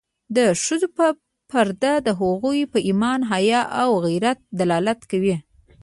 د ښځو پرده د هغوی په ایمان، حیا او غیرت دلالت کوي.